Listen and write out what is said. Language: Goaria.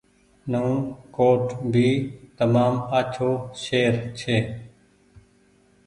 نئون ڪوٽ ڀي تمآم آڇو شهر ڇي۔